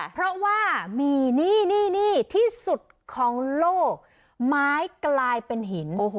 เพราะว่ามีนี่ที่สุดของโลกไม้กลายเป็นหิน